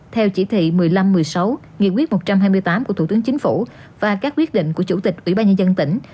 theo chỉ thị một mươi năm một mươi sáu nghị quyết một trăm hai mươi tám của thủ tướng chính phủ và các quyết định của chủ tịch ủy ban nhân dân tỉnh